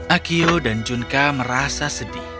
akiyo dan junkka merasa sedih